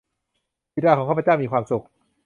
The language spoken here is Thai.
บิดาของข้าพเจ้ามีความสุข